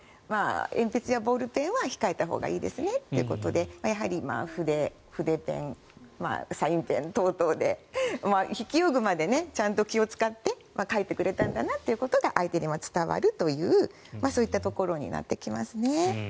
鉛筆やボールペンは控えたほうがいいですねということでやはり筆、筆ペンサインペン等々で筆記用具までちゃんと気を使って書いてくれたんだなということが相手にも伝わるというそういったところになってきますね。